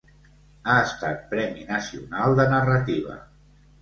Ha estat Premi Nacional de narrativa.